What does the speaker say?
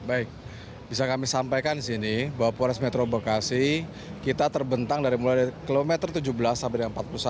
baik bisa kami sampaikan di sini bahwa polres metro bekasi kita terbentang dari mulai dari kilometer tujuh belas sampai dengan empat puluh satu